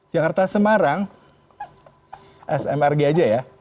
jakarta semarang smrg aja ya